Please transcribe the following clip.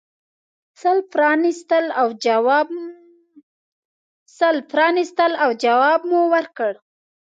سل پرانیستل او جواب مو ورکړ.